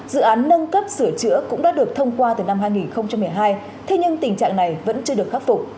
dự án nâng cấp sửa chữa cũng đã được thông qua từ năm hai nghìn một mươi hai thế nhưng tình trạng này vẫn chưa được khắc phục